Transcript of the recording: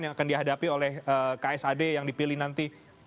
yang akan dihadapi oleh ksad yang dipilih nanti